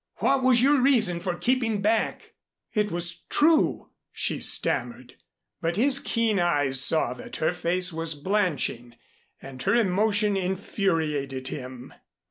What was your reason for keeping back " "It was true " she stammered, but his keen eyes saw that her face was blanching and her emotion infuriated him.